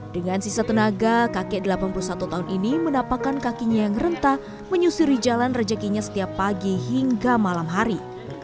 dengan sisa tenaga kakek delapan puluh satu tahun ini menapakkan kakinya yang rentah menyusuri jalan rejekinya setiap pagi hingga malam hari